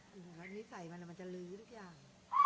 อันนี้ใส่มันอะมันจะลื้อทุกอย่าง